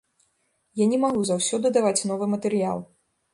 Я не магу заўсёды даваць новы матэрыял.